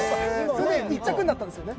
１着になったんですよね。